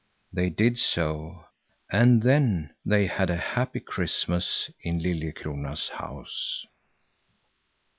They did so, and then they had a happy Christmas in Liljekrona's house.